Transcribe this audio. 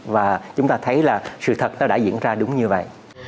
và chúng ta thấy là sự thật nó đã diễn ra đúng như vậy